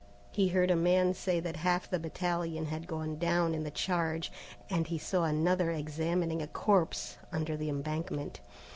He heard a man say that half the battalion had gone down in the charge, and he saw another examining a corpse under the embankment.